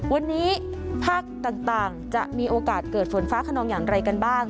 วันนี้ภาคต่างจะมีโอกาสเกิดฝนฟ้าขนองอย่างไรกันบ้าง